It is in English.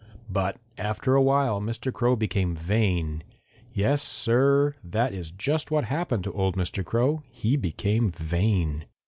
But after a while Mr. Crow became vain. Yes, Sir, that is just what happened to old Mr. Crow he became vain.